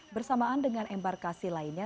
bersamaan dengan embarkasi lainnya